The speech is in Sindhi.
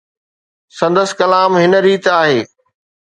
سندس ڪلام هن ريت آهي.